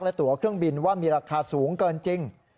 และตัวเครื่องบินว่ามีราคาสูงเกินจริง